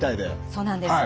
そうなんです。